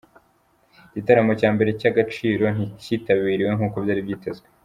Igitaramo cya mbere cy’Agaciro nticyitabiriwe nk’uko byari byitezwe